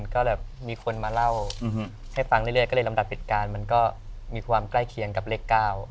ก็แบบมีคนมาเล่าให้ฟังเรื่อยก็เลยลำดับเหตุการณ์มันก็มีความใกล้เคียงกับเลข๙